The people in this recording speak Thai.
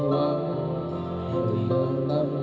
นายยกรัฐมนตรีพบกับทัพนักกีฬาที่กลับมาจากโอลิมปิก๒๐๑๖